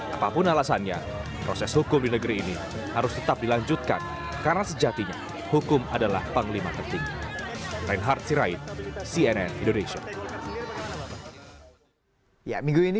apapun alasannya proses hukum di negeri ini harus tetap dilanjutkan karena sejatinya hukum adalah panglima tertinggi